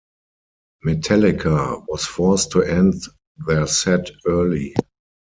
Metallica was forced to end their set early.